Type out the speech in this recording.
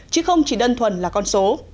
chứ không chỉ đơn thuần là con số